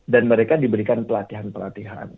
dan mereka diberikan pelatihan pelatihan